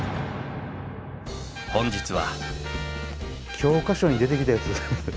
本日は。